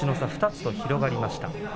２つと広がりました。